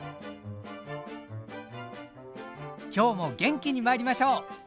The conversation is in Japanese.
今日も元気にまいりましょう！